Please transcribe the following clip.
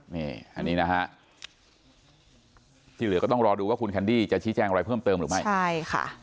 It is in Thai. นี่อันนี้นะฮะที่เหลือก็ต้องรอดูว่าคุณแคนดี้จะชี้แจ้งอะไรเพิ่มเติมหรือไม่ใช่ค่ะ